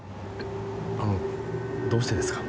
あのどうしてですか？